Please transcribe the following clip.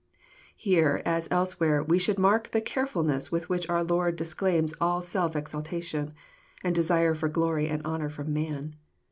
Here, as elsewhere, we should mark the carefhlness with which our Lord disclaims all self exaltation, and desire for glory and honour from man.